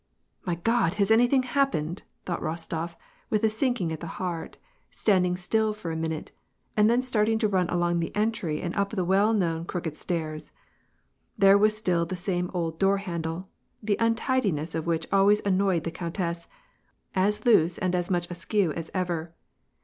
" My God ! has anything happened ?" thought Rostof with a sinking at the heart, standing still for a minute, and then starting to run along the entry and up the well known crooked stairs. There was still the same old door handle, the untidi ness of which always annoyed the countess, as loose and as much askew as ever.